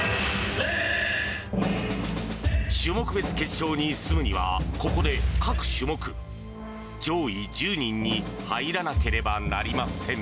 種目別決勝に進むには、ここで各種目、上位１０人に入らなければなりません。